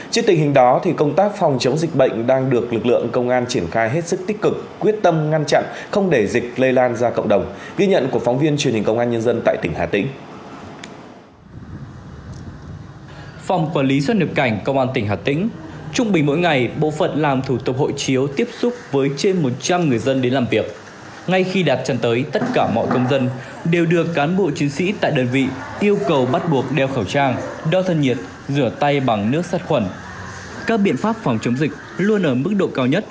các biện pháp phòng chống dịch luôn ở mức độ cao nhất với mục tiêu không để dịch xâm nhập vào cơ sở